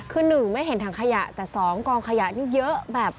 คือ๑ไม่เห็นถังขยะแต่๒กองขยะนี่เยอะแบบ